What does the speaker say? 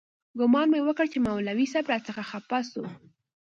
ګومان مې وکړ چې مولوي صاحب راڅخه خپه سو.